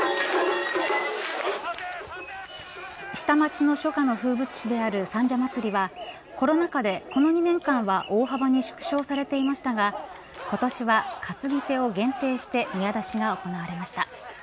下町の初夏の風物詩である三社祭はコロナ禍でこの２年間は大幅に縮小されていましたが今年は担ぎ手を限定して宮出しが行われました。